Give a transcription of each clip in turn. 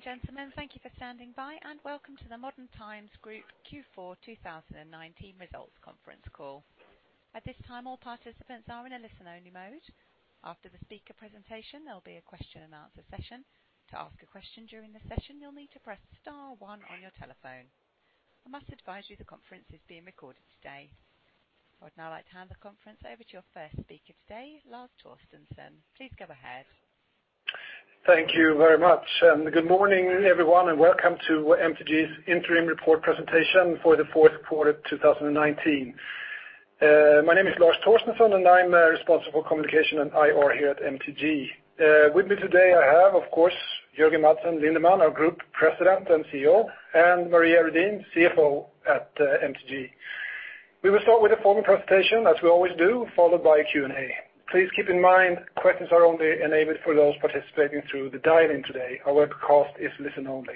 Ladies and gentlemen, thank you for standing by, and welcome to the Modern Times Group Q4 2019 results conference call. At this time, all participants are in a listen-only mode. After the speaker presentation, there will be a question and answer session. To ask a question during the session, you will need to press star one on your telephone. I must advise you the conference is being recorded today. I would now like to hand the conference over to your first speaker today, Lars Torstensson. Please go ahead. Thank you very much, good morning, everyone, and welcome to MTG's interim report presentation for the fourth quarter of 2019. My name is Lars Torstensson, and I'm responsible for communication and IR here at MTG. With me today, I have, of course, Jørgen Madsen Lindemann, our Group President and CEO, and Maria Redin, CFO at MTG. We will start with a formal presentation, as we always do, followed by a Q&A. Please keep in mind, questions are only enabled for those participating through the dial-in today. Our webcast is listen only.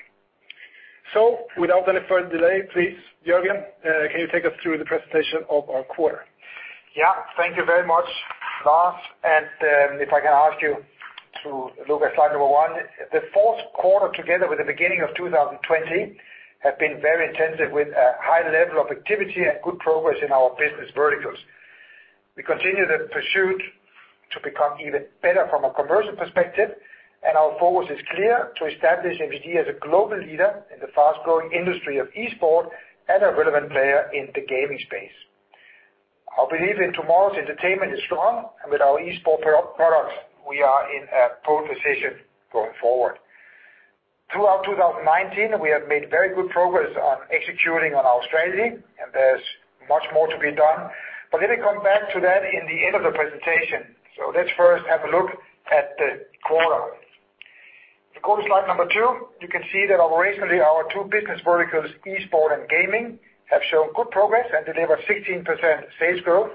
Without any further delay, please, Jørgen, can you take us through the presentation of our quarter? Yeah. Thank you very much, Lars. If I can ask you to look at slide number one. The fourth quarter, together with the beginning of 2020, have been very intensive with a high level of activity and good progress in our business verticals. We continue the pursuit to become even better from a commercial perspective, and our focus is clear: to establish MTG as a global leader in the fast-growing industry of esport and a relevant player in the gaming space. Our belief in tomorrow's entertainment is strong. With our esport products, we are in a pole position going forward. Throughout 2019, we have made very good progress on executing on our strategy, and there's much more to be done. Let me come back to that in the end of the presentation. Let's first have a look at the quarter. You go to slide number two, you can see that operationally, our two business verticals, esports and gaming, have shown good progress and delivered 16% sales growth,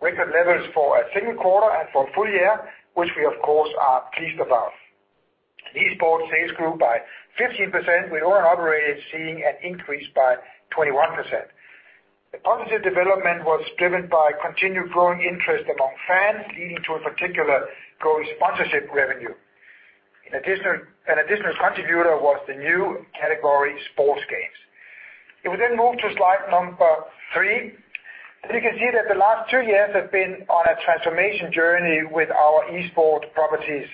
record levels for a single quarter and for a full year, which we of course are pleased about. Esports sales grew by 15%, with owned and operated seeing an increase by 21%. The positive development was driven by continued growing interest among fans, leading to a particular growing sponsorship revenue. An additional contributor was the new category sports games. We then move to slide number three, you can see that the last two years have been on a transformation journey with our esports properties,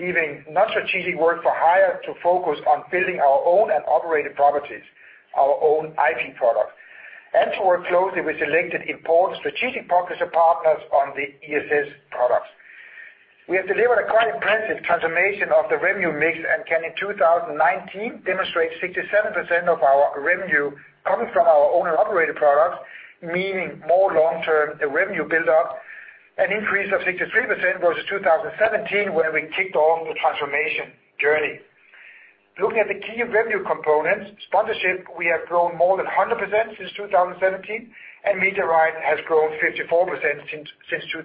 leaving non-strategic work-for-hire to focus on building our owned and operated properties, our own IP product, and to work closely with selected important strategic focus partners on the ESL products. We have delivered a quite impressive transformation of the revenue mix and can in 2019 demonstrate 67% of our revenue coming from our owned and operated products, meaning more long-term revenue build-up, an increase of 63% versus 2017, where we kicked off the transformation journey. Looking at the key revenue components, sponsorship we have grown more than 100% since 2017, and media rights has grown 54% since 2017.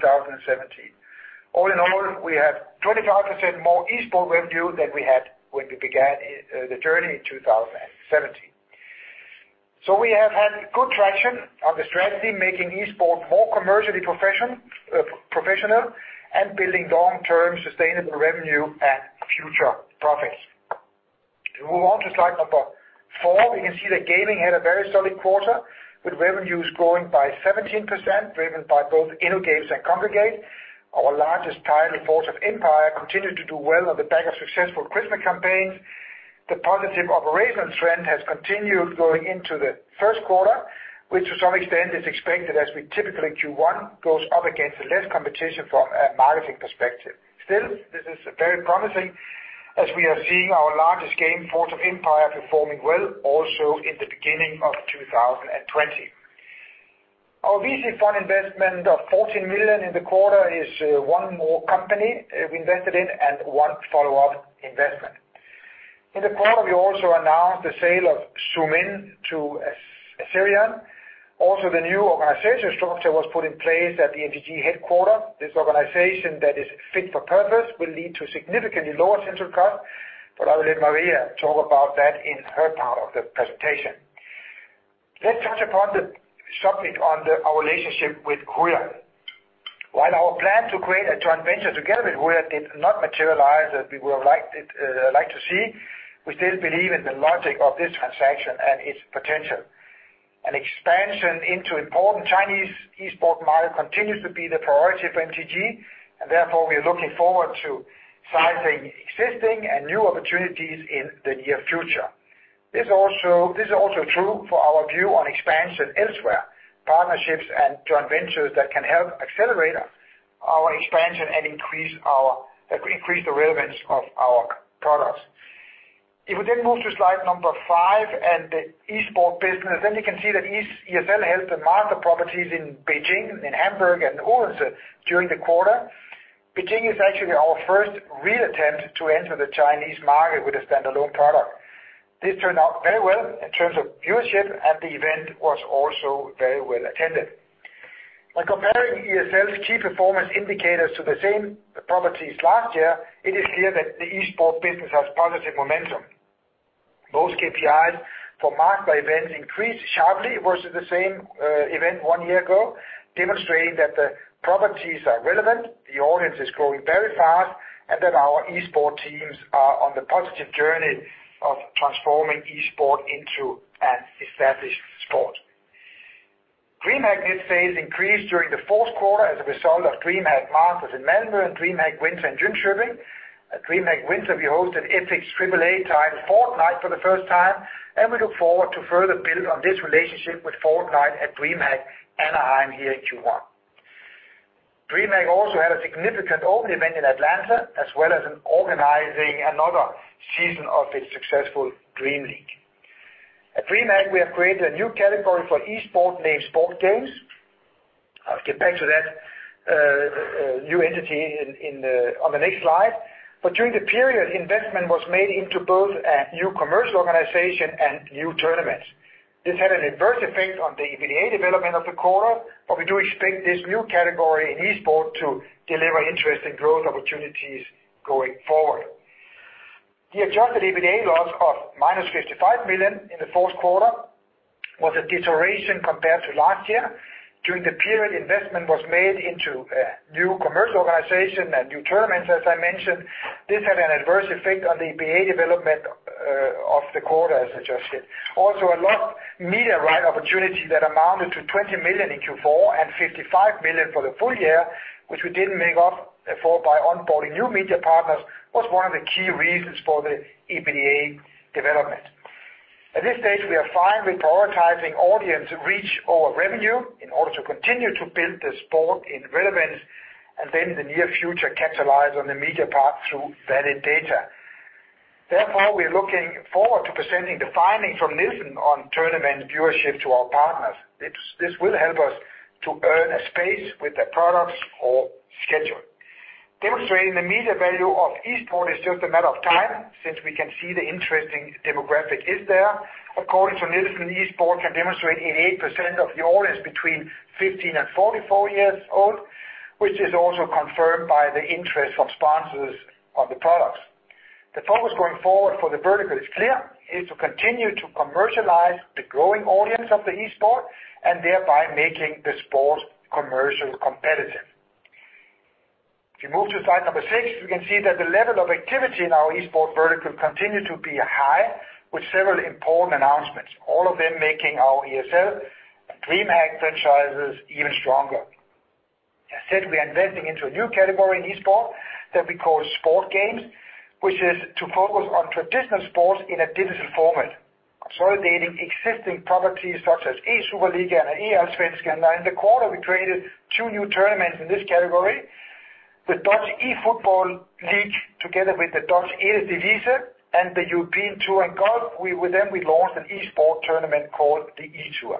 All in all, we have 25% more esports revenue than we had when we began the journey in 2017. We have had good traction on the strategy, making esports more commercially professional and building long-term sustainable revenue and future profits. If we move on to slide number four, we can see that gaming had a very solid quarter, with revenues growing by 17%, driven by both InnoGames and Kongregate. Our largest title, Forge of Empires, continued to do well on the back of successful Christmas campaigns. The positive operational trend has continued going into the first quarter, which to some extent is expected as we typically Q1 goes up against less competition from a marketing perspective. This is very promising as we are seeing our largest game, Forge of Empires, performing well also in the beginning of 2020. Our VC fund investment of 14 million in the quarter is one more company we invested in and one follow-up investment. In the quarter, we also announced the sale of Zoomin.TV to Azerion. The new organizational structure was put in place at the MTG headquarter. This organization that is fit for purpose will lead to significantly lower central costs, I will let Maria talk about that in her part of the presentation. Let's touch upon the subject on our relationship with Huya. While our plan to create a joint venture together with Huya did not materialize as we would have liked to see, we still believe in the logic of this transaction and its potential. An expansion into important Chinese esports market continues to be the priority for MTG, therefore, we are looking forward to sizing existing and new opportunities in the near future. This is also true for our view on expansion elsewhere, partnerships, and joint ventures that can help accelerate our expansion and increase the relevance of our products. If we move to slide number five and the esports business, you can see that ESL held the DreamHack Masters in Beijing, in Hamburg, and Odense during the quarter. Beijing is actually our first real attempt to enter the Chinese market with a standalone product. This turned out very well in terms of viewership, and the event was also very well attended. By comparing ESL's key performance indicators to the same properties last year, it is clear that the esport business has positive momentum. Most KPIs for marked events increased sharply versus the same event one year ago, demonstrating that the properties are relevant, the audience is growing very fast, and that our esports teams are on the positive journey of transforming esports into an established sport. DreamHack this phase increased during the fourth quarter as a result of DreamHack Masters in Melbourne, DreamHack Winter in Jönköping. At DreamHack Winter, we hosted Epic's AAA title Fortnite for the first time, and we look forward to further build on this relationship with Fortnite at DreamHack Anaheim here in Q1. DreamHack also had a significant own event in Atlanta, as well as in organizing another season of its successful DreamLeague. At DreamHack, we have created a new category for esports named Sport Games. I'll get back to that new entity on the next slide. During the period, investment was made into both a new commercial organization and new tournaments. This had an adverse effect on the EBITDA development of the quarter, but we do expect this new category in esports to deliver interesting growth opportunities going forward. The adjusted EBITDA loss of minus 55 million in the fourth quarter was a deterioration compared to last year. During the period, investment was made into a new commercial organization and new tournaments, as I mentioned. This had an adverse effect on the EBITDA development of the quarter, as I just said. A lot media right opportunity that amounted to 20 million in Q4 and 55 million for the full year, which we didn't make up for by onboarding new media partners, was one of the key reasons for the EBITDA development. At this stage, we are fine with prioritizing audience reach over revenue in order to continue to build the sport in relevance, then in the near future, capitalize on the media part through valid data. We're looking forward to presenting the findings from Nielsen on tournament viewership to our partners. This will help us to earn a space with the products or schedule. Demonstrating the media value of esports is just a matter of time, since we can see the interesting demographic is there. According to Nielsen, esports can demonstrate 88% of the audience between 15 and 44 years old, which is also confirmed by the interest of sponsors of the products. The focus going forward for the vertical is clear, is to continue to commercialize the growing audience of the esports, thereby making the sport commercial competitive. If you move to slide number six, we can see that the level of activity in our esports vertical continued to be high, with several important announcements, all of them making our ESL and DreamHack franchises even stronger. As said, we are investing into a new category in esports that we call Sport Games, which is to focus on traditional sports in a digital format, consolidating existing properties such as eSuperliga and eAllsvenskan. In the quarter, we created two new tournaments in this category, the eDivisie, together with the Eredivisie, and the European Tour, we then launched an esports tournament called the eTour.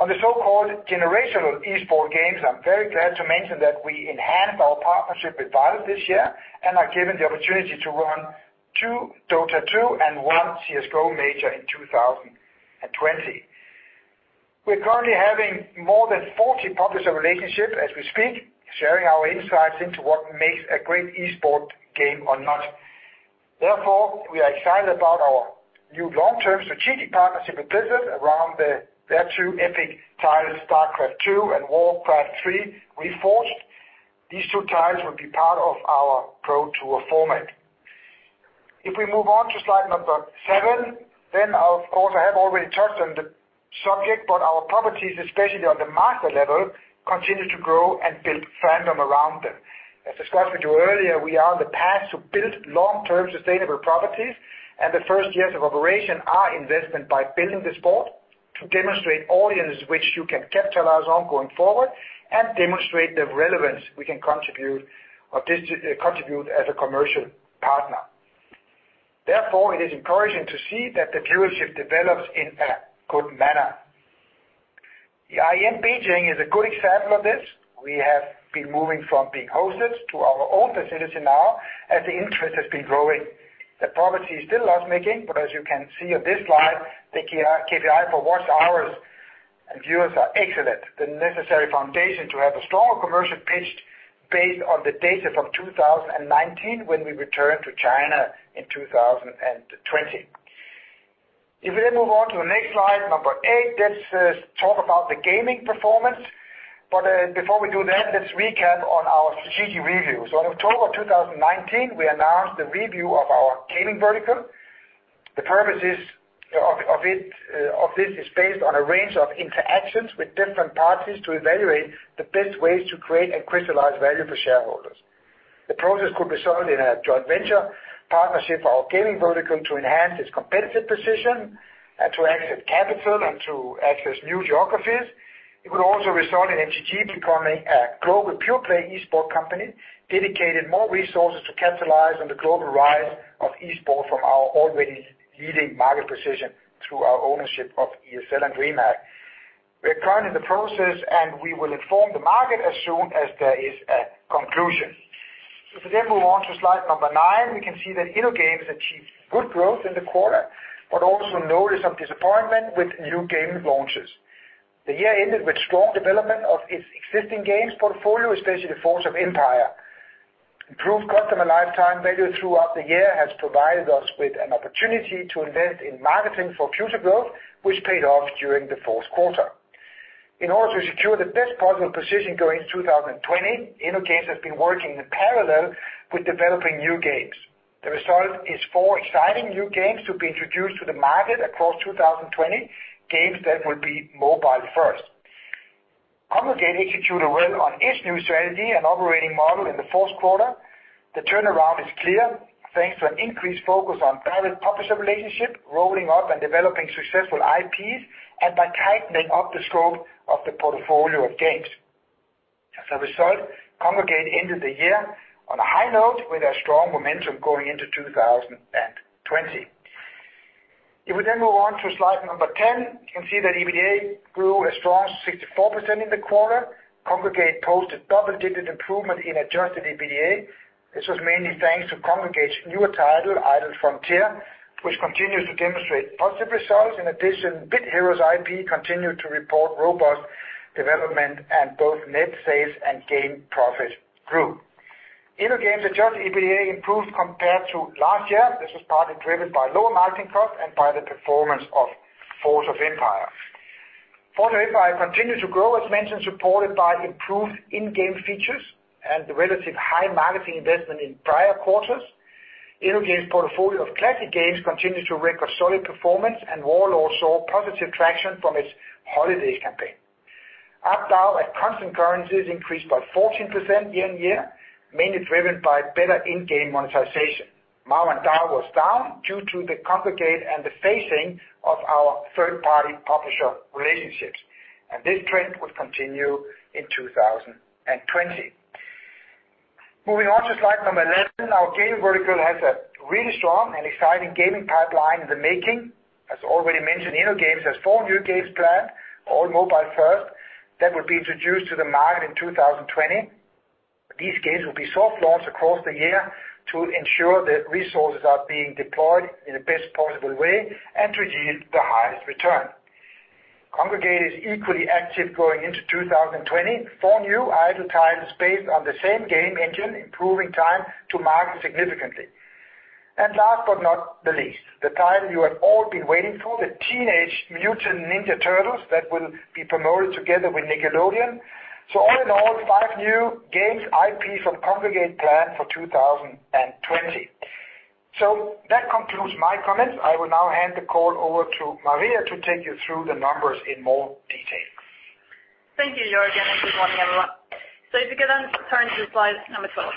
On the so-called generational esports games, I'm very glad to mention that we enhanced our partnership with Valve this year and are given the opportunity to run two Dota 2 and one CS:GO Major in 2020. We're currently having more than 40 publisher relationships as we speak, sharing our insights into what makes a great esports game or not. We are excited about our new long-term strategic partnership with Blizzard around their two epic titles, StarCraft II and Warcraft III: Reforged. These two titles will be part of our ESL Pro Tour format. If we move on to slide number seven, then of course, I have already touched on the subject, but our properties, especially on the master level, continue to grow and build fandom around them. As discussed with you earlier, we are on the path to build long-term sustainable properties, and the first years of operation are investment by building the sport to demonstrate audience which you can capitalize on going forward and demonstrate the relevance we can contribute as a commercial partner. Therefore, it is encouraging to see that the viewership develops in a good manner. The IEM Beijing is a good example of this. We have been moving from being hosted to our own facility now as the interest has been growing. The property is still loss-making, but as you can see on this slide, the KPI for watched hours and viewers are excellent. The necessary foundation to have a stronger commercial pitch based on the data from 2019 when we return to China in 2020. If we then move on to the next slide, number eight, let's talk about the gaming performance. Before we do that, let's recap on our strategic review. In October 2019, we announced the review of our gaming vertical. The purposes of this is based on a range of interactions with different parties to evaluate the best ways to create and crystallize value for shareholders. The process could result in a joint venture partnership for our gaming vertical to enhance its competitive position and to access capital and to access new geographies. It could also result in MTG becoming a global pure-play esports company, dedicated more resources to capitalize on the global rise of esports from our already leading market position through our ownership of ESL and DreamHack. We are currently in the process, and we will inform the market as soon as there is a conclusion. If we then move on to slide number nine, we can see that InnoGames achieved good growth in the quarter, but also noticed some disappointment with new game launches. The year ended with strong development of its existing games portfolio, especially the Forge of Empire. Improved customer lifetime value throughout the year has provided us with an opportunity to invest in marketing for future growth, which paid off during the fourth quarter. In order to secure the best possible position going into 2020, InnoGames has been working in parallel with developing new games. The result is four exciting new games to be introduced to the market across 2020, games that will be mobile first. Kongregate executed well on its new strategy and operating model in the fourth quarter. The turnaround is clear thanks to an increased focus on valued publisher relationship, rolling up and developing successful IPs, and by tightening up the scope of the portfolio of games. As a result, Kongregate ended the year on a high note with a strong momentum going into 2020. If we move on to slide number 10, you can see that EBITDA grew a strong 64% in the quarter. Kongregate posted double-digit improvement in adjusted EBITDA. This was mainly thanks to Kongregate's newer title, "Idle Frontier," which continues to demonstrate positive results. In addition, Bit Heroes IP continued to report robust development and both net sales and game profit grew. InnoGames adjusted EBITDA improved compared to last year. This was partly driven by lower marketing costs and by the performance of "Forge of Empires." "Forge of Empires" continued to grow, as mentioned, supported by improved in-game features and the relative high marketing investment in prior quarters. InnoGames' portfolio of classic games continued to record solid performance, and "War Lord" saw positive traction from its holidays campaign. ARPDAU At constant currencies increased by 14% year-on-year, mainly driven by better in-game monetization. "MAU and DAU" was down due to the Kongregate and the phasing of our third-party publisher relationships. This trend will continue in 2020. Moving on to slide number 11. Our gaming vertical has a really strong and exciting gaming pipeline in the making. As already mentioned, InnoGames has four new games planned, all mobile first, that will be introduced to the market in 2020. These games will be soft launched across the year to ensure that resources are being deployed in the best possible way and to yield the highest return. Kongregate is equally active going into 2020. Four new idle titles based on the same game engine, improving time to market significantly. Last but not the least, the title you have all been waiting for, the "Teenage Mutant Ninja Turtles" that will be promoted together with Nickelodeon. All in all, five new games IP from Kongregate planned for 2020. That concludes my comments. I will now hand the call over to Maria to take you through the numbers in more detail. Thank you, Jørgen, good morning, everyone. If you could then turn to slide number 12.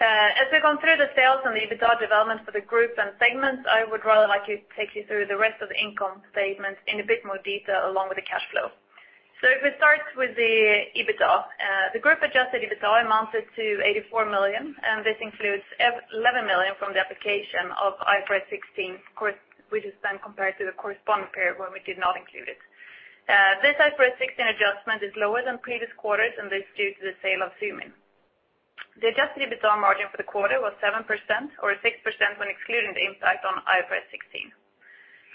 As we've gone through the sales and the EBITDA developments for the group and segments, I would rather like you take you through the rest of the income statement in a bit more detail along with the cash flow. If we start with the EBITDA. The group-adjusted EBITDA amounted to 84 million, and this includes 11 million from the application of IFRS 16, which is then compared to the corresponding period where we did not include it. This IFRS 16 adjustment is lower than previous quarters, and this is due to the sale of Zoomin.TV. The adjusted EBITDA margin for the quarter was 7% or 6% when excluding the impact on IFRS 16.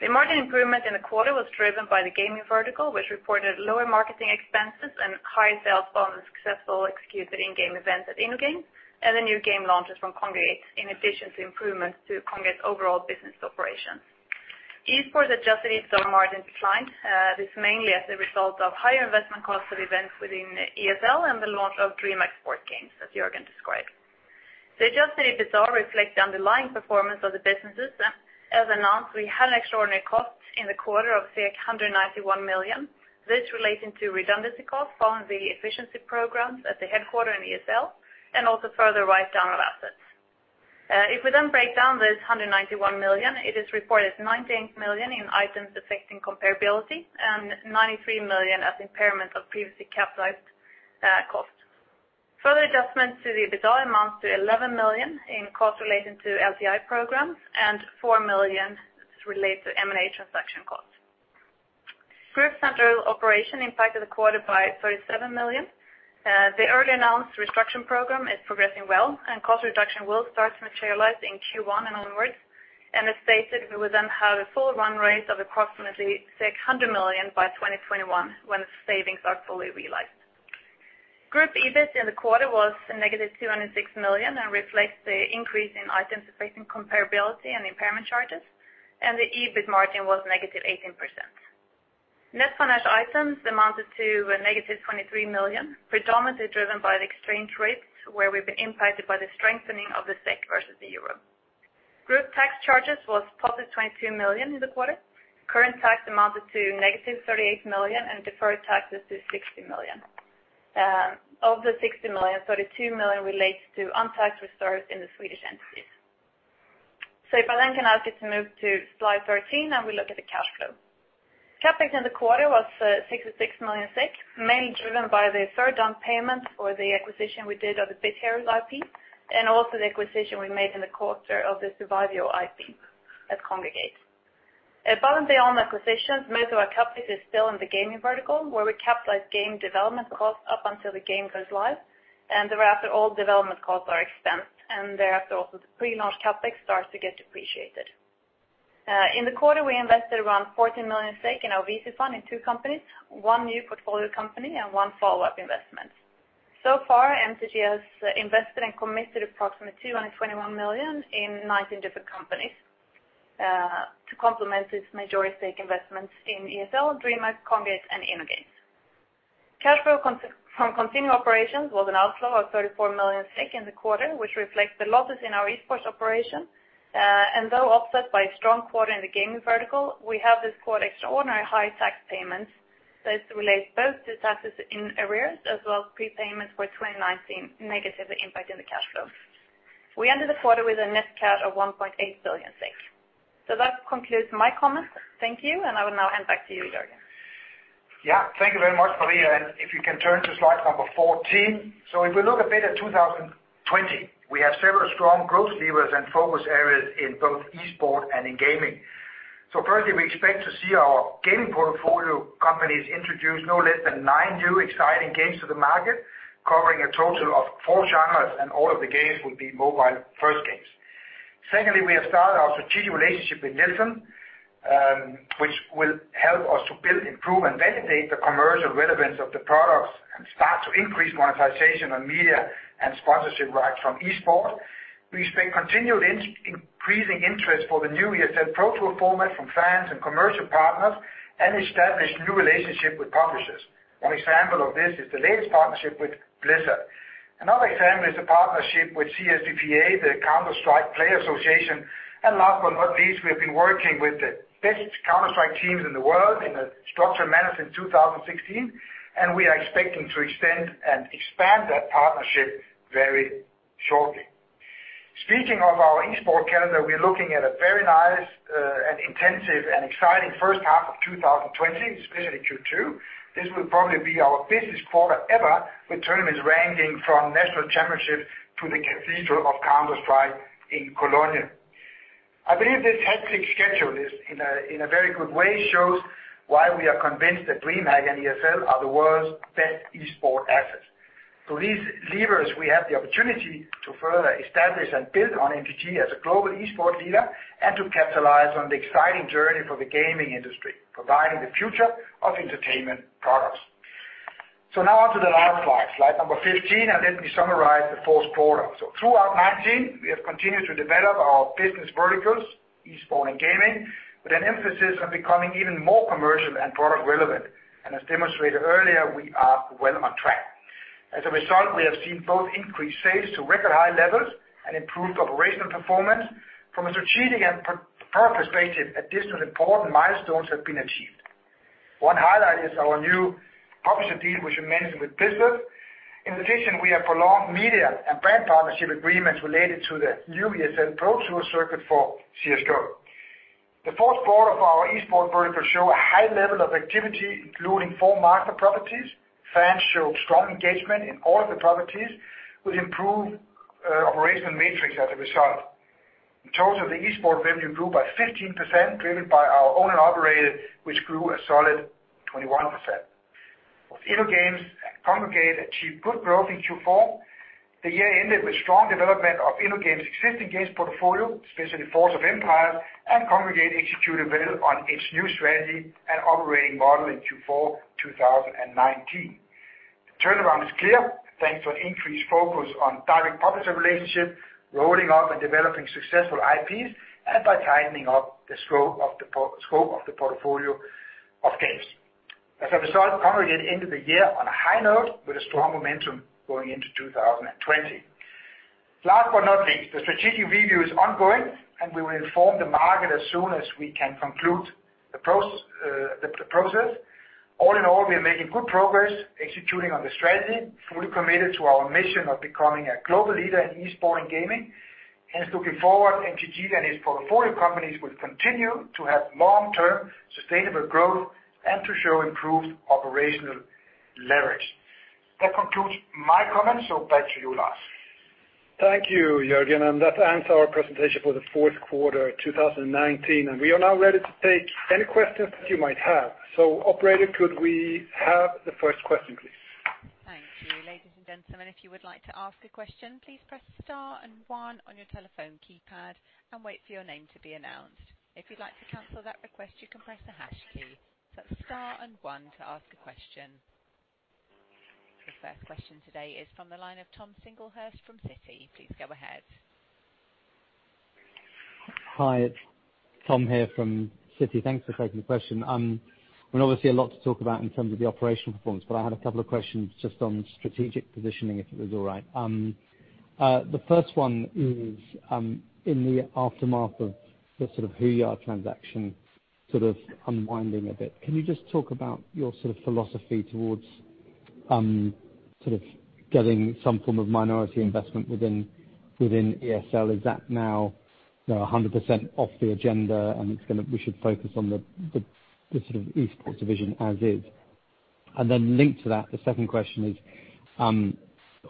The margin improvement in the quarter was driven by the gaming vertical, which reported lower marketing expenses and high sales from the successfully executed in-game event at InnoGames, and the new game launches from Kongregate, in addition to improvements to Kongregate's overall business operation. Esports adjusted EBITDA margin declined. This is mainly as a result of higher investment costs of events within ESL and the launch of DreamHack Sports Games that Jørgen described. The adjusted EBITDA reflects the underlying performance of the businesses. As announced, we had extraordinary costs in the quarter of 191 million. This relating to redundancy costs from the efficiency programs at the headquarter in ESL and also further write-down of assets. We then break down this 191 million, it is reported 19 million in items affecting comparability and 93 million as impairment of previously capitalized costs. Further adjustments to the EBITDA amounts to 11 million in costs relating to LTI programs and 4 million relates to M&A transaction costs. Group central operation impacted the quarter by 37 million. The early announced restructure program is progressing well, and cost reduction will start to materialize in Q1 and onwards. As stated, we will then have a full run rate of approximately 600 million by 2021 when savings are fully realized. Group EBIT in the quarter was negative 206 million and reflects the increase in items affecting comparability and impairment charges, and the EBIT margin was negative 18%. Net financial items amounted to a negative 23 million, predominantly driven by the exchange rates where we've been impacted by the strengthening of the SEK versus the euro. Group tax charges was positive 22 million in the quarter. Current tax amounted to negative 38 million and deferred taxes to 60 million. Of the 60 million, 32 million relates to untaxed reserves in the Swedish entities. If I then can ask you to move to slide 13, and we look at the cash flow. CapEx in the quarter was 66 million, mainly driven by the third down payment for the acquisition we did of the Bit Heroes IP, and also the acquisition we made in the quarter of the Surviv.io IP at Kongregate. Apart and beyond acquisitions, most of our CapEx is still in the gaming vertical where we capitalize game development costs up until the game goes live, thereafter all development costs are expensed, and thereafter also the pre-launch CapEx starts to get depreciated. In the quarter, we invested around 14 million in our VC fund in two companies, one new portfolio company and one follow-up investment. So far, MTG has invested and committed approximately 221 million in 19 different companies to complement its majority stake investments in ESL, DreamHack, Kongregate, and InnoGames. Cash flow from continuing operations was an outflow of 34 million in the quarter, which reflects the losses in our esports operation. Though offset by a strong quarter in the gaming vertical, we have this quarter extraordinary high tax payments. This relates both to taxes in arrears as well as prepayments for 2019, negatively impacting the cash flow. We ended the quarter with a net cash of 1.8 billion. That concludes my comments. Thank you, and I will now hand back to you, Jørgen. Yeah. Thank you very much, Maria. If you can turn to slide number 14. If we look a bit at 2020, we have several strong growth levers and focus areas in both esports and in gaming. Firstly, we expect to see our gaming portfolio companies introduce no less than nine new exciting games to the market, covering a total of four genres, and all of the games will be mobile-first games. Secondly, we have started our strategic relationship with Nielsen, which will help us to build, improve, and validate the commercial relevance of the products and start to increase monetization on media and sponsorship rights from esports. We expect continued increasing interest for the new ESL Pro Tour format from fans and commercial partners and establish new relationship with publishers. One example of this is the latest partnership with Blizzard. Another example is the partnership with CSPPA, the Counter-Strike Professional Players' Association. Last but not least, we have been working with the best Counter-Strike teams in the world in a structured manner since 2016, and we are expecting to extend and expand that partnership very shortly. Speaking of our esports calendar, we're looking at a very nice and intensive and exciting first half of 2020, especially Q2. This will probably be our busiest quarter ever, with tournaments ranging from national championships to the cathedral of Counter-Strike in Cologne. I believe this hectic schedule in a very good way shows why we are convinced that DreamHack and ESL are the world's best esports assets. Through these levers, we have the opportunity to further establish and build on MTG as a global esports leader and to capitalize on the exciting journey for the gaming industry, providing the future of entertainment products. Now onto the last slide number 15, and let me summarize the fourth quarter. Throughout 2019, we have continued to develop our business verticals, esports and gaming, with an emphasis on becoming even more commercial and product relevant. As demonstrated earlier, we are well on track. As a result, we have seen both increased sales to record high levels and improved operational performance. From a strategic and product perspective, additional important milestones have been achieved. One highlight is our new publisher deal, which we mentioned with Blizzard. In addition, we have prolonged media and brand partnership agreements related to the new ESL Pro Tour circuit for CS:GO. The fourth quarter of our esports vertical show a high level of activity, including four market properties. Fans showed strong engagement in all of the properties with improved operational metrics as a result. In total, the esports revenue grew by 15%, driven by our owned and operated, which grew a solid 21%. Both InnoGames and Kongregate achieved good growth in Q4. The year ended with strong development of InnoGames' existing games portfolio, especially Forge of Empires, and Kongregate executed well on its new strategy and operating model in Q4 2019. The turnaround is clear, thanks to an increased focus on direct publisher relationships, rolling out and developing successful IPs, and by tightening up the scope of the portfolio of games. As a result, Kongregate ended the year on a high note with a strong momentum going into 2020. Last but not least, the strategic review is ongoing, and we will inform the market as soon as we can conclude the process. All in all, we are making good progress executing on the strategy, fully committed to our mission of becoming a global leader in esports and gaming. Hence, looking forward, MTG and its portfolio companies will continue to have long-term sustainable growth and to show improved operational leverage. That concludes my comments, back to you, Lars. Thank you, Jørgen, that ends our presentation for the fourth quarter 2019. We are now ready to take any questions that you might have. Operator, could we have the first question, please? Thank you, ladies and gentlemen. If you would like to ask a question, please press star and one on your telephone keypad and wait for your name to be announced. If you'd like to cancel that request, you can press the hash key. That's star and one to ask a question. The first question today is from the line of Tom Singlehurst from Citi. Please go ahead. Hi, it's Tom here from Citi. Thanks for taking the question. I mean, obviously a lot to talk about in terms of the operational performance, but I had a couple of questions just on strategic positioning, if it was all right. The first one is, in the aftermath of the sort of Huya transaction sort of unwinding a bit, can you just talk about your sort of philosophy towards sort of getting some form of minority investment within ESL? Is that now 100% off the agenda and we should focus on the sort of esports division as is? Linked to that, the second question is,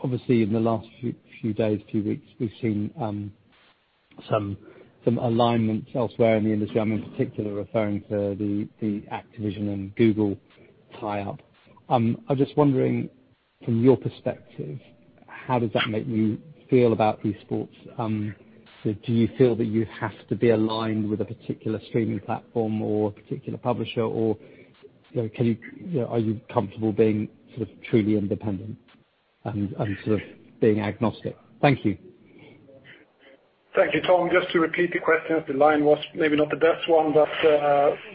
obviously in the last few days, few weeks, we've seen some alignment elsewhere in the industry. I'm in particular referring to the Activision and Google tie-up. I'm just wondering from your perspective. How does that make you feel about esports? Do you feel that you have to be aligned with a particular streaming platform or a particular publisher, or are you comfortable being truly independent and being agnostic? Thank you. Thank you, Tom. Just to repeat the question, the line was maybe not the best one, but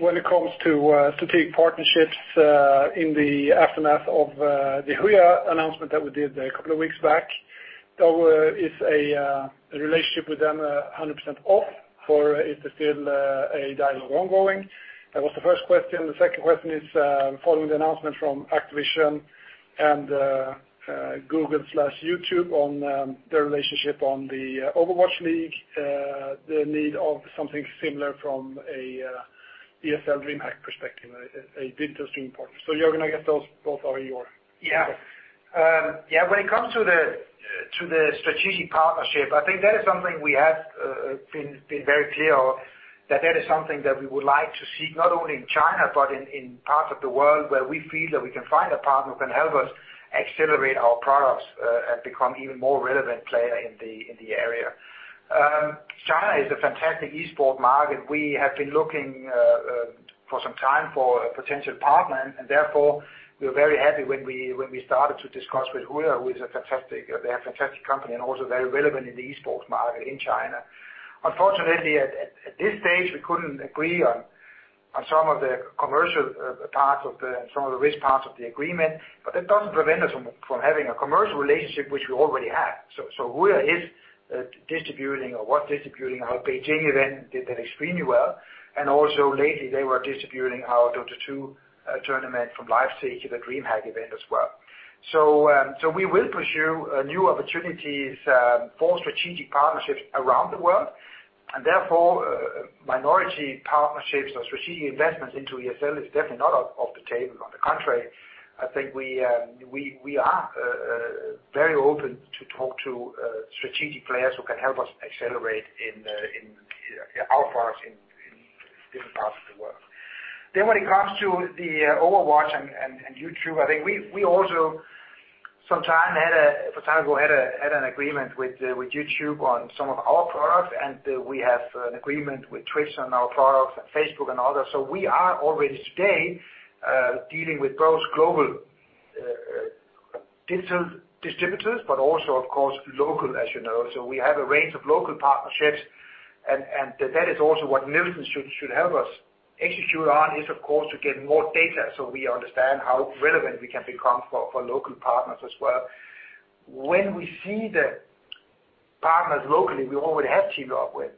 when it comes to strategic partnerships in the aftermath of the Huya announcement that we did a couple of weeks back, is our relationship with them 100% off, or is there still a dialogue ongoing? That was the first question. The second question is, following the announcement from Activision and Google/YouTube on their relationship on the Overwatch League, the need of something similar from a ESL DreamHack perspective, a digital stream partner. Jørgen, I guess those both are yours. Yeah. When it comes to the strategic partnership, I think that is something we have been very clear that is something that we would like to see, not only in China, but in parts of the world where we feel that we can find a partner who can help us accelerate our products and become an even more relevant player in the area. China is a fantastic esport market. We have been looking for some time for a potential partner, and therefore, we were very happy when we started to discuss with Huya, they are a fantastic company and also very relevant in the esports market in China. Unfortunately, at this stage, we couldn't agree on some of the commercial parts, some of the risk parts of the agreement, but that doesn't prevent us from having a commercial relationship, which we already have. Huya is distributing or was distributing our Beijing event, did that extremely well, and also lately they were distributing our Dota 2 tournament from Live Stage at the DreamHack event as well. We will pursue new opportunities for strategic partnerships around the world, and therefore minority partnerships or strategic investments into ESL is definitely not off the table. On the contrary, I think we are very open to talk to strategic players who can help us accelerate our products in different parts of the world. When it comes to the Overwatch and YouTube, I think we also some time ago had an agreement with YouTube on some of our products, and we have an agreement with Twitch on our products and Facebook and others. We are already today dealing with both global digital distributors, but also, of course, local, as you know. We have a range of local partnerships, and that is also what Nielsen should help us execute on, is, of course, to get more data so we understand how relevant we can become for local partners as well. When we see the partners locally we already have teamed up with,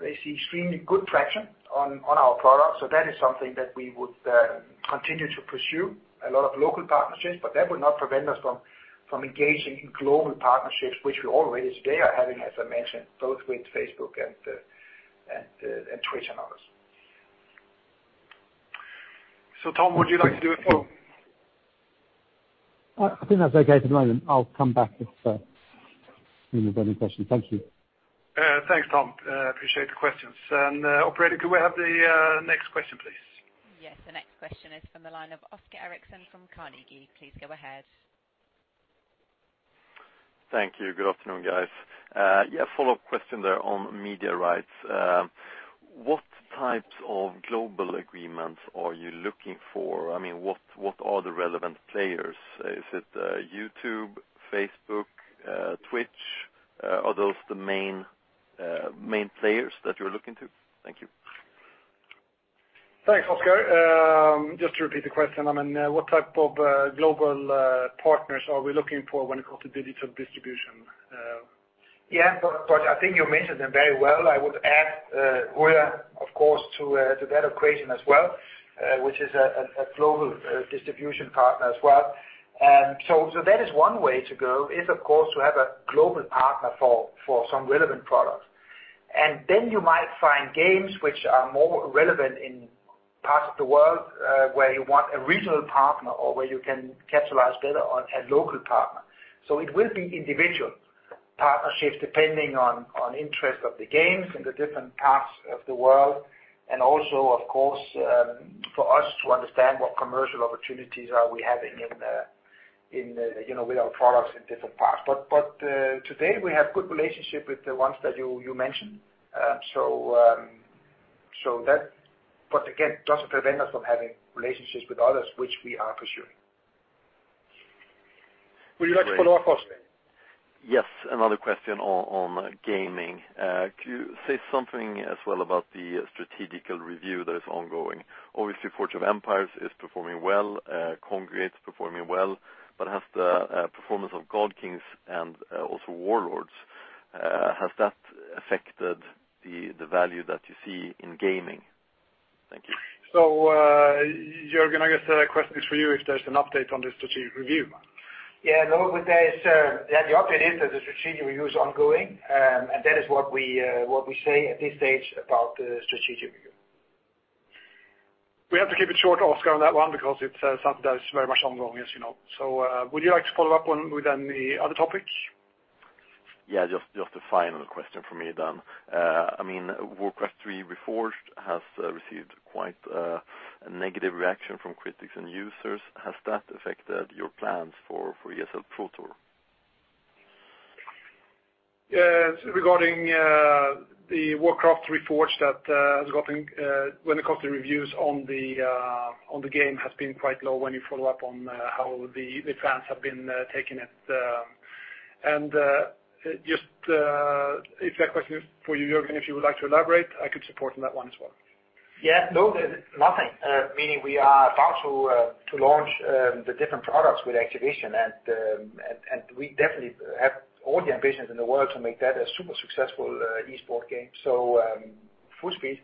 they see extremely good traction on our products. That is something that we would continue to pursue, a lot of local partnerships, but that would not prevent us from engaging in global partnerships, which we already today are having, as I mentioned, both with Facebook and Twitch and others. Tom, would you like to do a follow-up? I think that's okay for the moment. I'll come back if anyone has any questions. Thank you. Thanks, Tom. Appreciate the questions. Operator, could we have the next question, please? Yes. The next question is from the line of Oscar Erixon from Carnegie. Please go ahead. Thank you. Good afternoon, guys. Yeah, a follow-up question there on media rights. What types of global agreements are you looking for? I mean, what are the relevant players? Is it YouTube, Facebook, Twitch? Are those the main players that you're looking to? Thank you. Thanks, Oscar. Just to repeat the question, what type of global partners are we looking for when it comes to digital distribution? I think you mentioned them very well. I would add Huya, of course, to that equation as well, which is a global distribution partner as well. That is one way to go is, of course, to have a global partner for some relevant products. Then you might find games which are more relevant in parts of the world where you want a regional partner or where you can capitalize better on a local partner. It will be individual partnerships depending on interest of the games in the different parts of the world, and also, of course, for us to understand what commercial opportunities are we having with our products in different parts. Today we have good relationships with the ones that you mentioned. Again, it doesn't prevent us from having relationships with others, which we are pursuing. Would you like to follow up, Oscar? Yes, another question on gaming. Could you say something as well about the strategical review that is ongoing? Obviously, "Forge of Empires" is performing well, "Kongregate" is performing well, but the performance of "God Kings" and also "Warlords," has that affected the value that you see in gaming? Thank you. Jørgen, I guess that question is for you if there's an update on the strategic review. Yeah, no, the update is that the strategic review is ongoing, and that is what we say at this stage about the strategic review. We have to keep it short, Oscar, on that one because it's something that is very much ongoing, as you know. Would you like to follow up with any other topic? Yeah, just a final question from me then. Warcraft III: Reforged has received quite a negative reaction from critics and users. Has that affected your plans for ESL Pro Tour? Yes, regarding the Warcraft III: Reforged when it comes to reviews on the game has been quite low when you follow up on how the fans have been taking it. If that question is for you, Jørgen, if you would like to elaborate, I could support on that one as well. Yeah, no, nothing. Meaning we are about to launch the different products with Activision, and we definitely have all the ambitions in the world to make that a super successful esport game. Full speed.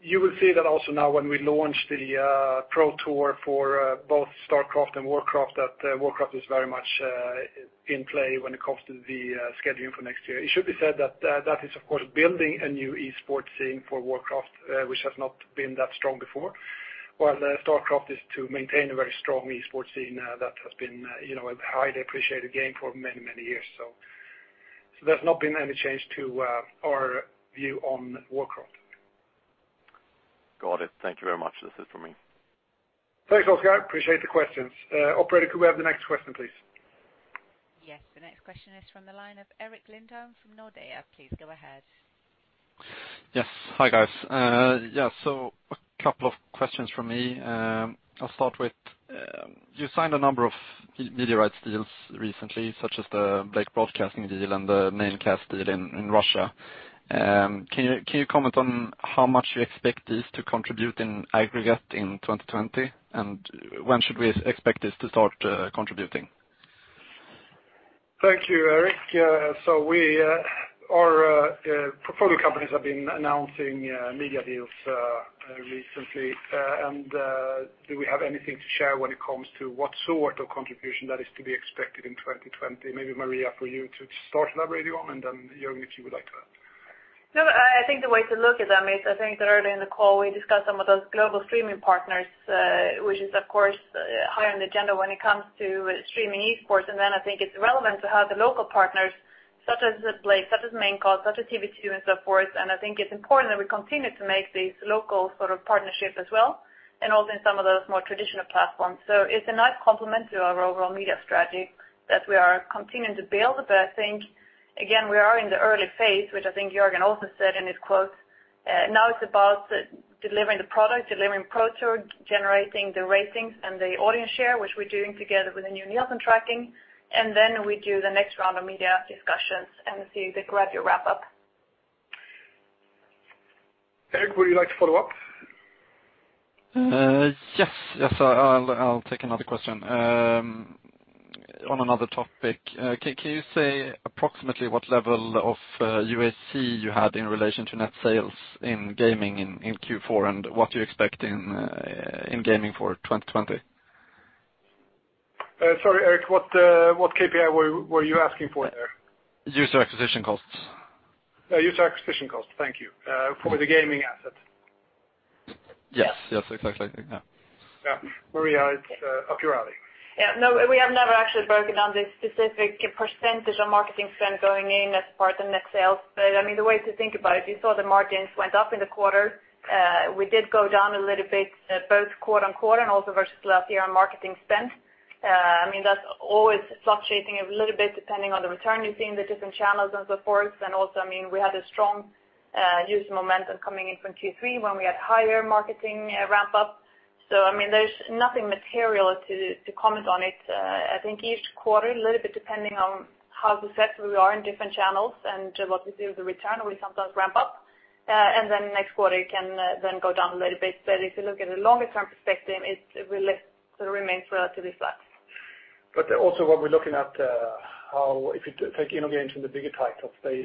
You will see that also now when we launch the Pro Tour for both StarCraft and Warcraft, that Warcraft is very much in play when it comes to the scheduling for next year. It should be said that that is, of course, building a new esports scene for Warcraft which has not been that strong before, while StarCraft is to maintain a very strong esports scene that has been a highly appreciated game for many years. There's not been any change to our view on Warcraft. Got it. Thank you very much. This is for me. Thanks, Oscar. Appreciate the questions. Operator, could we have the next question, please? Yes. The next question is from the line of Erik Lindholm from Nordea. Please go ahead. Yes. Hi, guys. A couple of questions from me. I'll start with, you signed a number of media rights deals recently, such as the Blake Broadcasting deal and the Maincast deal in Russia. Can you comment on how much you expect these to contribute in aggregate in 2020? When should we expect this to start contributing? Thank you, Erik. Our portfolio companies have been announcing media deals recently. Do we have anything to share when it comes to what sort of contribution that is to be expected in 2020? Maybe Maria, for you to start elaborating on, and then Jørgen, if you would like to add. I think the way to look at that, earlier in the call, we discussed some of those global streaming partners, which is of course higher on the agenda when it comes to streaming esports. I think it's relevant to have the local partners such as Blake, such as Maincast, such as TV 2 and so forth. I think it's important that we continue to make these local partnerships as well, and also in some of those more traditional platforms. It's a nice complement to our overall media strategy that we are continuing to build. I think, again, we are in the early phase, which I think Jørgen also said in his quotes. It's about delivering the product, delivering Pro Tour, generating the ratings and the audience share, which we're doing together with the new Nielsen tracking, and then we do the next round of media discussions and see the gradual wrap up. Erik, would you like to follow up? Yes. I'll take another question on another topic. Can you say approximately what level of UAC you had in relation to net sales in gaming in Q4, and what you expect in gaming for 2020? Sorry, Erik, what KPI were you asking for there? User Acquisition Costs. User Acquisition Cost. Thank you. For the gaming asset. Yes, exactly. Yeah. Maria, it's up your alley. Yeah, no, we have never actually broken down the specific percentage on marketing spend going in as part of net sales. The way to think about it, you saw the margins went up in the quarter. We did go down a little bit, both quarter-on-quarter and also versus last year on marketing spend. That's always fluctuating a little bit depending on the return you see in the different channels and so forth. Also, we had a strong user momentum coming in from Q3 when we had higher marketing ramp up. There's nothing material to comment on it. I think each quarter, a little bit depending on how successful we are in different channels and what we see with the return, we sometimes ramp up, and then next quarter it can then go down a little bit. If you look at a longer-term perspective, it remains relatively flat. Also what we're looking at, how if you take InnoGames and the bigger titles, they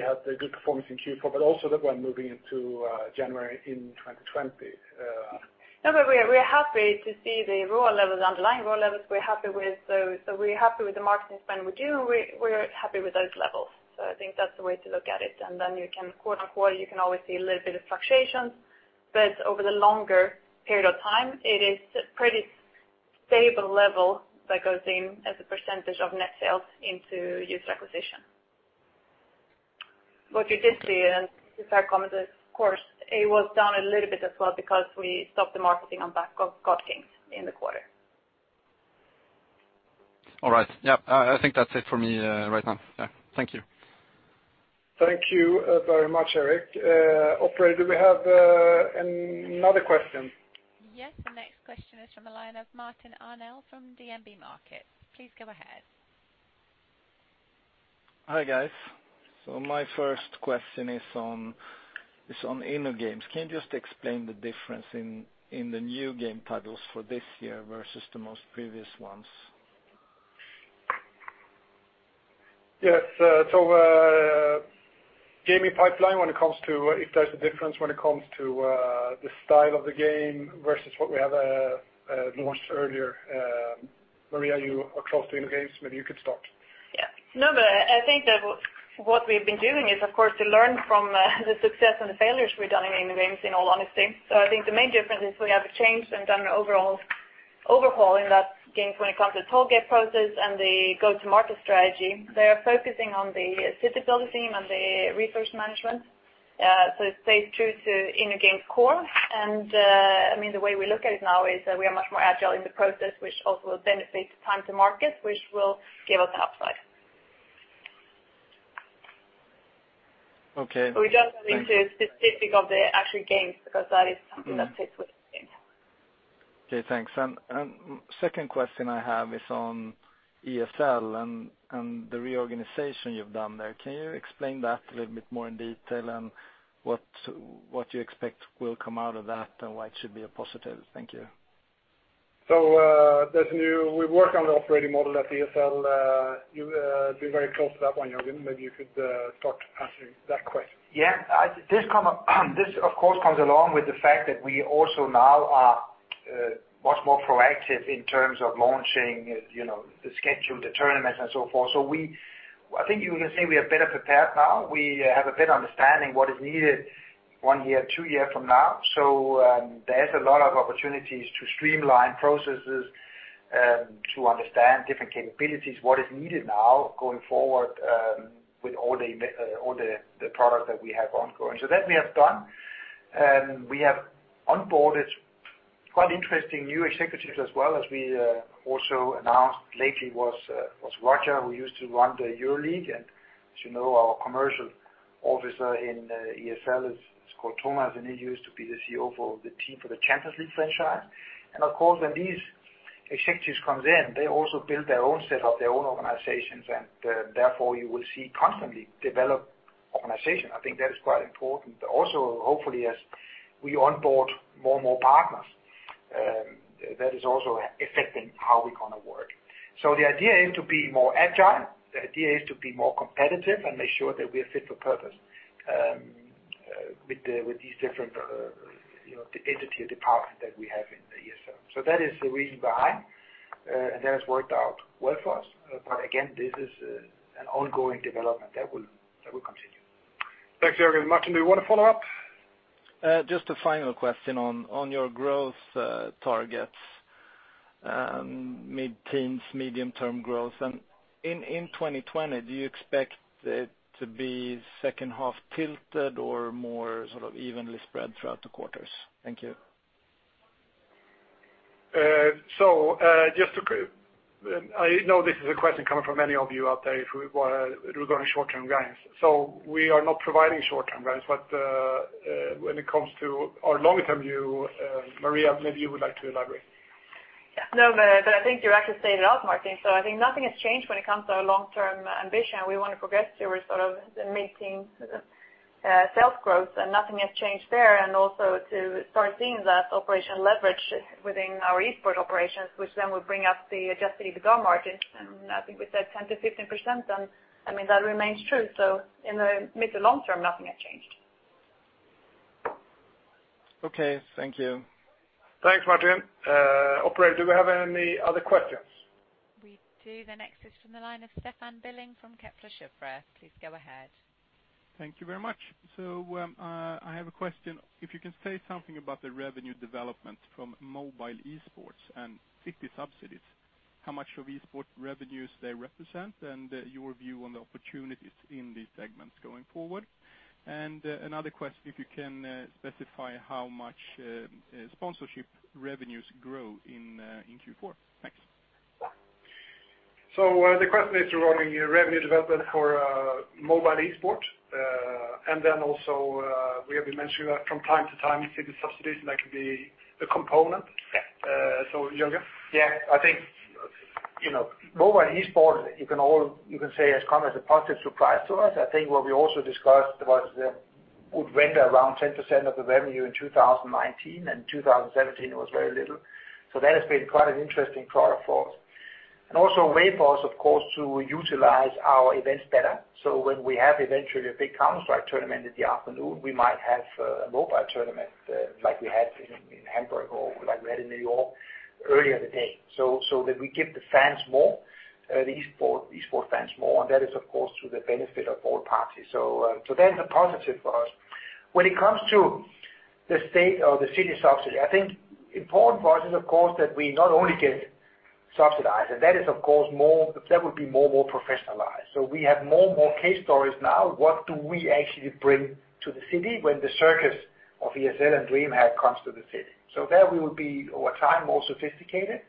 had a good performance in Q4, but also look when moving into January in 2020. We are happy to see the ROAS levels, underlying raw levels. We're happy with the marketing spend we do. We're happy with those levels. I think that's the way to look at it. Then you can quarter on quarter, you can always see a little bit of fluctuations, but over the longer period of time, it is pretty stable level that goes in as a percentage of net sales into user acquisition. What you did see, and it's fair comment of course, it was down a little bit as well because we stopped the marketing on God Kings in the quarter. All right. Yeah. I think that's it for me right now. Yeah. Thank you. Thank you very much, Erik. Operator, do we have another question? Yes. The next question is from the line of Martin Arnell from DNB Markets. Please go ahead. Hi, guys. My first question is on InnoGames. Can you just explain the difference in the new game titles for this year versus the most previous ones? Yes. Gaming pipeline when it comes to if there's a difference when it comes to the style of the game versus what we have launched earlier. Maria, you across the InnoGames, maybe you could start. I think that what we've been doing is, of course, to learn from the success and the failures we've done in InnoGames, in all honesty. I think the main difference is we have changed and done an overhauling that game when it comes to target process and the go-to-market strategy, they are focusing on the city building theme and the resource management. It stays true to InnoGames' core. The way we look at it now is that we are much more agile in the process, which also will benefit time to market, which will give us an upside. Okay. We don't go into specific of the actual games because that is something that fits with the game. Okay, thanks. Second question I have is on ESL and the reorganization you've done there. Can you explain that a little bit more in detail and what you expect will come out of that and why it should be a positive? Thank you. We work on the operating model at ESL. You've been very close to that one, Jørgen. Maybe you could start answering that question. Yeah. This, of course, comes along with the fact that we also now are much more proactive in terms of launching the schedule, the tournaments, and so forth. I think you can say we are better prepared now. We have a better understanding what is needed one year, two year from now. There's a lot of opportunities to streamline processes, to understand different capabilities, what is needed now going forward, with all the product that we have ongoing. That we have done, and we have onboarded quite interesting new executives as well as we also announced lately was Roger, who used to run the EuroLeague. As you know, our commercial officer in ESL is called Thomas, and he used to be the CEO for the team for the Champions League franchise. Of course, when these executives comes in, they also build their own set up, their own organizations, and therefore you will see constantly develop organization. I think that is quite important. Hopefully, as we onboard more partners, that is also affecting how we're going to work. The idea is to be more agile. The idea is to be more competitive and make sure that we are fit for purpose with these different entity or department that we have in the ESL. That is the reason behind, and that has worked out well for us. Again, this is an ongoing development that will continue. Thanks, Jørgen. Martin, do you want to follow up? Just a final question on your growth targets, mid-teens, medium-term growth. In 2020, do you expect it to be second half tilted or more sort of evenly spread throughout the quarters? Thank you. Just to clear, I know this is a question coming from many of you out there regarding short-term guidance. We are not providing short-term guidance, but when it comes to our long-term view, Maria, maybe you would like to elaborate. No, I think you actually said it all, Martin. I think nothing has changed when it comes to our long-term ambition. We want to progress here with sort of the mid-teen sales growth. Nothing has changed there. Also to start seeing that operational leverage within our esports operations, which then will bring up the adjusted EBITDA margin. I think we said 10%-15%, and that remains true. In the mid to long term, nothing has changed. Okay. Thank you. Thanks, Martin. Operator, do we have any other questions? We do. The next is from the line of Stefan Billing from Kepler Cheuvreux. Please go ahead. Thank you very much. I have a question. If you can say something about the revenue development from mobile esports and city subsidies, how much of esport revenues they represent and your view on the opportunities in these segments going forward? Another question, if you can specify how much sponsorship revenues grow in Q4. Thanks. The question is regarding revenue development for mobile esports. Also we have been mentioning that from time to time, city subsidies, that can be a component. Yeah. Jørgen. Yeah, I think mobile esports, you can say has come as a positive surprise to us. I think what we also discussed was it would render around 10% of the revenue in 2019, and 2017 was very little. That has been quite an interesting product for us. Also a way for us, of course, to utilize our events better. When we have eventually a big Counter-Strike tournament in the afternoon, we might have a mobile tournament, like we had in Hamburg or like we had in New York earlier in the day. That we give the fans more, the esports fans more, and that is of course to the benefit of all parties. That's a positive for us. When it comes to the state or the city subsidy, I think important for us is of course that we not only get subsidized, and that is of course more, that would be more professionalized. We have more case stories now, what do we actually bring to the city when the circus of ESL and DreamHack comes to the city. There we will be over time, more sophisticated.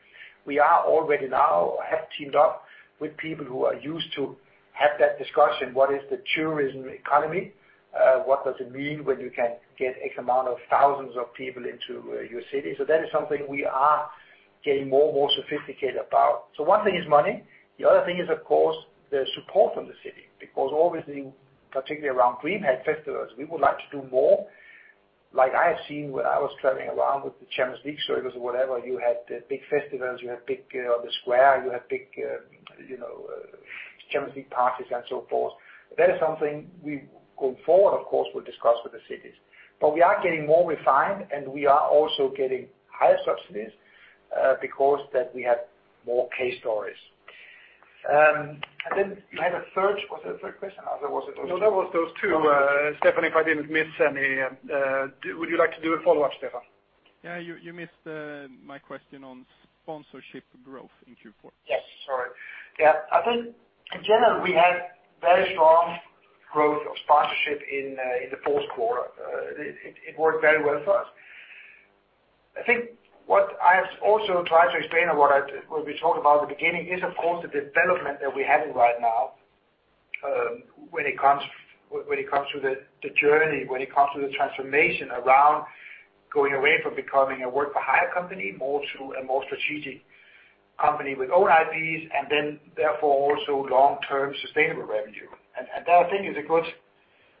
We are already now have teamed up with people who are used to have that discussion, what is the tourism economy? What does it mean when you can get X amount of thousands of people into your city? That is something we are getting more sophisticated about. One thing is money. The other thing is, of course, the support from the city, because obviously, particularly around DreamHack festivals, we would like to do more. I have seen when I was traveling around with the Champions League circles or whatever, you had big festivals, you had big the square, you had big Champions League parties and so forth. That is something we going forward, of course, will discuss with the cities. We are getting more refined, and we are also getting higher subsidies, because that we have more case stories. You had a third. Was there a third question or was it those two? That was those two. Stefan, if I didn't miss any, would you like to do a follow-up, Stefan? Yeah. You missed my question on sponsorship growth in Q4. Yes, sorry. I think in general we had very strong growth of sponsorship in the fourth quarter. It worked very well for us. I think what I have also tried to explain and what we talked about at the beginning is, of course, the development that we're having right now when it comes to the journey, when it comes to the transformation around going away from becoming a work-for-hire company more to a more strategic company with own IPs, and then therefore also long-term sustainable revenue. That I think is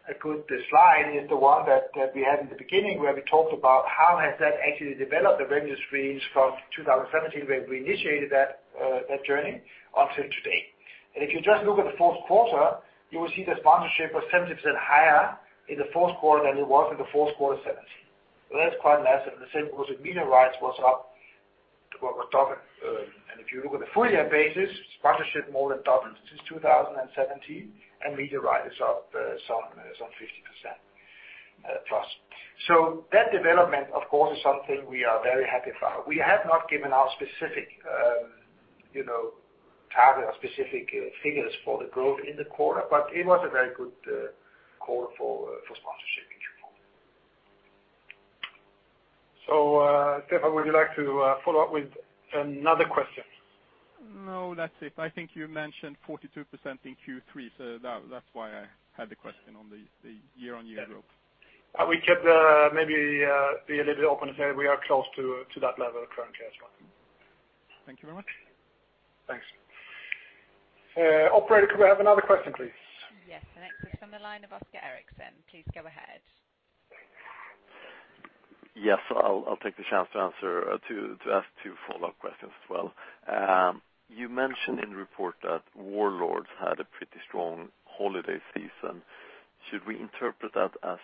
a good slide, is the one that we had in the beginning where we talked about how has that actually developed the revenue streams from 2017 when we initiated that journey, until today. If you just look at the fourth quarter, you will see that sponsorship was 10% higher in the fourth quarter than it was in the fourth quarter 2017. That is quite an asset in the same course of media rights was up, well, it doubled. If you look at the full year basis, sponsorship more than doubled since 2017, and media right is up some 50%+. That development, of course, is something we are very happy about. We have not given our specific target or specific figures for the growth in the quarter, but it was a very good quarter for sponsorship in Q4. Stefan, would you like to follow up with another question? That's it. I think you mentioned 42% in Q3, so that's why I had the question on the year-on-year growth. We could maybe be a little open and say we are close to that level currently as well. Thank you very much. Thanks. Operator, could we have another question, please? Yes. The next is on the line of Oscar Erixon. Please go ahead. Yes, I'll take the chance to ask two follow-up questions as well. You mentioned in the report that Warlords had a pretty strong holiday season. Should we interpret that as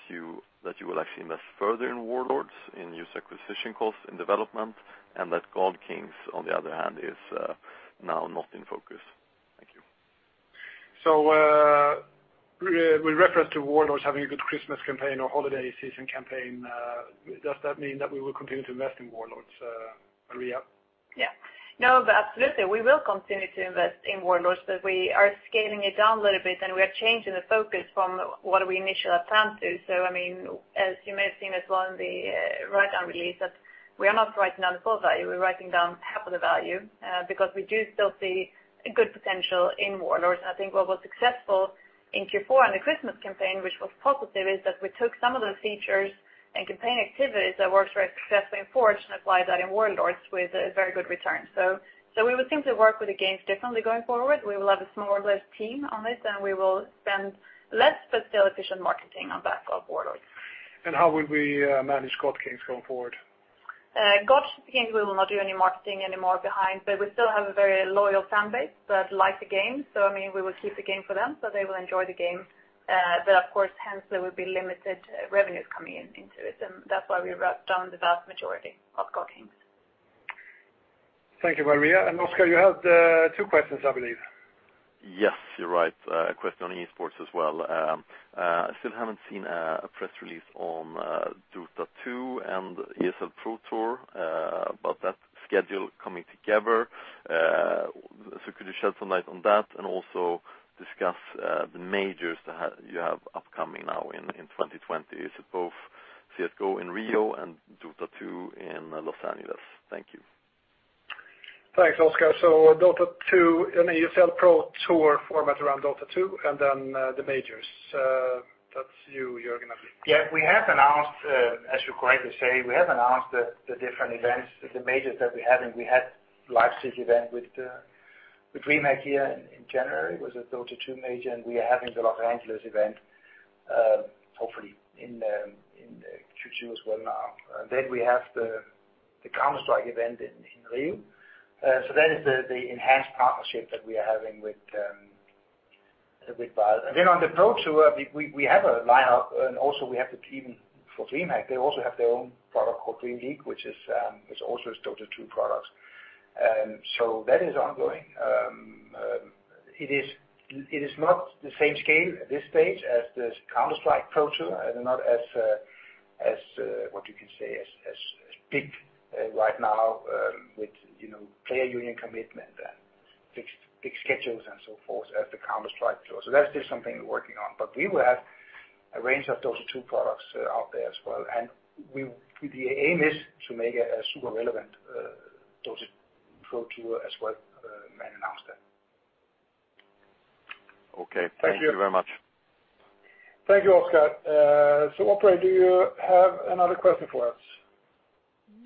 that you will actually invest further in Warlords, in user acquisition costs in development, and that God Kings, on the other hand, is now not in focus? Thank you. With reference to Warlords having a good Christmas campaign or holiday season campaign, does that mean that we will continue to invest in Warlords, Maria? Yeah. Absolutely, we will continue to invest in Warlords, but we are scaling it down a little bit and we are changing the focus from what we initially planned to. As you may have seen as well in the write-down release, that we are not writing down the full value, we are writing down half of the value because we do still see a good potential in Warlords. I think what was successful in Q4 and the Christmas campaign, which was positive, is that we took some of the features and campaign activities that worked very successfully in Forge and applied that in Warlords with a very good return. We would simply work with the games differently going forward. We will have a smaller team on it, and we will spend less but still efficient marketing on behalf of Warlords. How would we manage God Kings going forward? God Kings, we will not do any marketing anymore behind, we still have a very loyal fan base that like the game. We will keep the game for them, so they will enjoy the game. Of course, hence there will be limited revenues coming into it, and that's why we wrote down the vast majority of God Kings. Thank you, Maria. Oscar, you had two questions, I believe. Yes, you're right. A question on esports as well. I still haven't seen a press release on Dota 2 and ESL Pro Tour about that schedule coming together. Could you shed some light on that and also discuss the majors that you have upcoming now in 2020? Is it both CS:GO in Rio and Dota 2 in Los Angeles? Thank you. Thanks, Oscar. Dota 2 in ESL Pro Tour format around Dota 2, the majors. That's you, Jørgen, I believe. Yeah, as you correctly say, we have announced the different events, the majors that we're having. We had a live city event with DreamHack here in January, it was a Dota 2 major, and we are having the Los Angeles event, hopefully in Q2 as well now. We have the Counter-Strike event in Rio. That is the enhanced partnership that we are having with Valve. On the Pro Tour, we have a lineup and also we have the team for DreamHack. They also have their own product called DreamLeague, which is also a Dota 2 product. That is ongoing. It is not the same scale at this stage as the Counter-Strike Pro Tour and not as, what you can say, as big right now with player union commitment and fixed big schedules and so forth as the Counter-Strike Tour. That's just something we're working on, but we will have a range of Dota 2 products out there as well. The aim is to make a super relevant Dota Pro Tour as well, when announced then. Okay. Thank you very much. Thank you. Thank you, Oscar. Operator, do you have another question for us?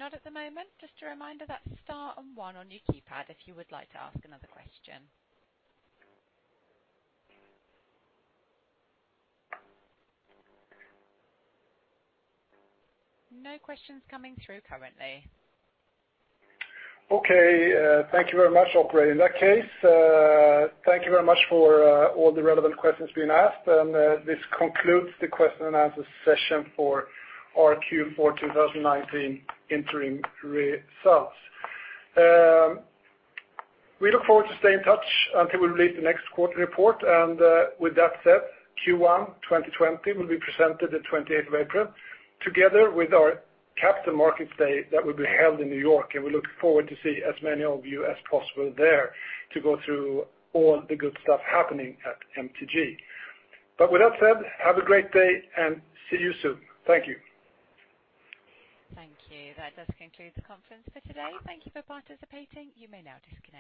Not at the moment. Just a reminder that star and one on your keypad if you would like to ask another question. No questions coming through currently. Okay. Thank you very much, operator. In that case, thank you very much for all the relevant questions being asked. This concludes the question and answer session for our Q4 2019 interim results. We look forward to staying in touch until we release the next quarter report. With that said, Q1 2020 will be presented the 28th of April, together with our Capital Markets Day that will be held in New York. We look forward to see as many of you as possible there to go through all the good stuff happening at MTG. With that said, have a great day and see you soon. Thank you. Thank you. That does conclude the conference for today. Thank you for participating. You may now disconnect.